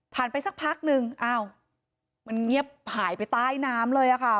ไปสักพักนึงอ้าวมันเงียบหายไปใต้น้ำเลยค่ะ